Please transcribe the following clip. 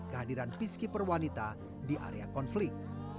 kehadiran piski perwanita di area konflik